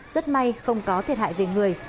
rất may không có thiệt hại về người